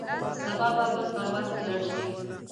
سبا به بل پرواز کې لاړ شې.